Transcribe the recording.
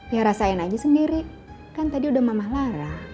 ya rasain aja sendiri kan tadi udah mama lara